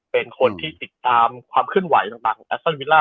เป็นคนที่ติดตามความขึ้นไหวต่างแอฟซอลวิลล่า